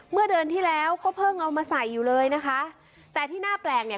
เมื่อเดือนที่แล้วก็เพิ่งเอามาใส่อยู่เลยนะคะแต่ที่น่าแปลกเนี่ย